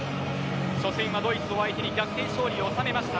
そして今ドイツを相手に逆転勝利を収めました。